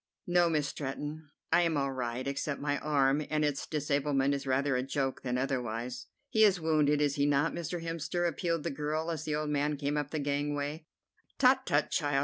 "No, Miss Stretton, I am all right, except my arm, and its disablement is rather a joke than otherwise." "He is wounded, is he not, Mr. Hemster?" appealed the girl, as the old man came up the gangway. "Tut, tut, child!